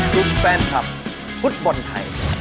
ที่ได้มาเชียร์ทีมไทย